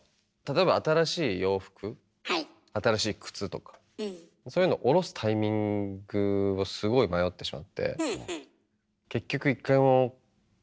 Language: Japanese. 例えば新しい洋服新しい靴とかそういうのを下ろすタイミングをすごい迷ってしまってえ！